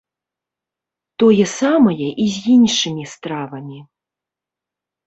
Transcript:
Тое самае і з іншымі стравамі.